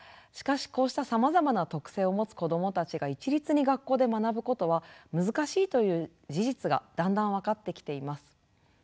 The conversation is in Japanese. しかしこうしたさまざまな特性を持つ子どもたちが一律に学校で学ぶことは難しいという事実がだんだん分かってきています。